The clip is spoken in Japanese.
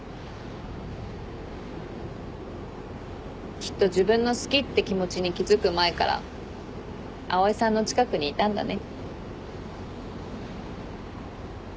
きっと自分の好きって気持ちに気付く前から蒼井さんの近くにいたんだね。